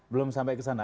belum sampai kesana